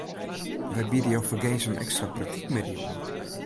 Wy biede jo fergees in ekstra praktykmiddei oan.